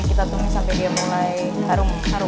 kita tunggu sampai dia mulai harum harum